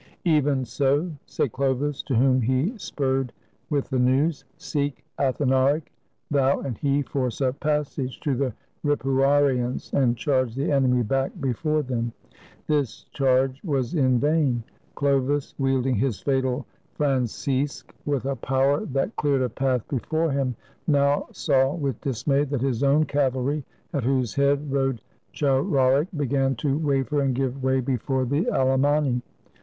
"Even so," said Chlovis, to whom he spurred with the news. " Seek Athanaric : thou and he force a passage to the Ripuarians, and charge the enemy back before them." This charge was in vain. Chlovis, wielding his fatal francisque with a power that cleared a path before him, now saw with dismay that his own cavalry, at whose head rode Chararic, began to waver and give way before the Alemanni.